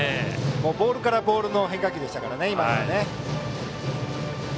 ボールからボールへの変化球でしたからね。